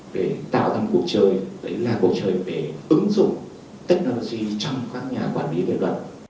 để tạo ra một cuộc chơi là một cuộc chơi để ứng dụng technology trong các nhà quản lý về luật